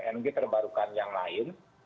energi terbarukan yang lain